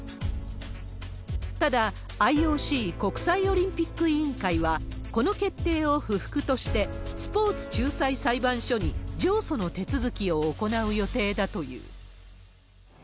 ただ、ＩＯＣ・国際オリンピック委員会は、この決定を不服として、スポーツ仲裁裁判所に上訴の手続きを行う予定だという。